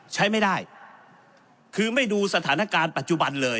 ใช้ไม่ได้คือไม่ดูสถานการณ์ปัจจุบันเลย